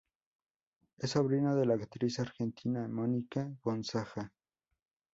Es sobrino de la actriz argentina Mónica Gonzaga.